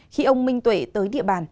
khi ông minh tuệ tới địa bàn